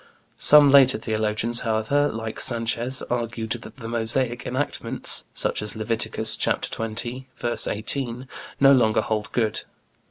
Some later theologians, however, like Sanchez, argued that the Mosaic enactments (such as Leviticus, Ch. XX, v. 18) no longer hold good.